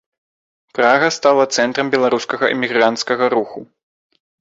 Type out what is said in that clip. Прага стала цэнтрам беларускага эмігранцкага руху.